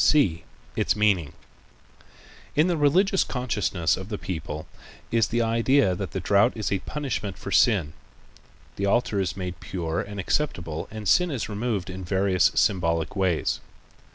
(c) Its Meaning.—In the religious consciousness of the people is the idea that the drought is a punishment for sin. The altar is made pure and acceptable and sin is removed in various symbolic ways.